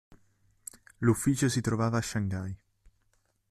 L'ufficio si trovava a Shanghai.